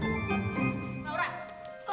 iya terima kasih